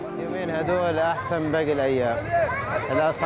sejak tahun ini harga perang ini mulai turun